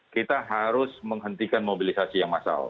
kita harus menghentikan mobilisasi yang masal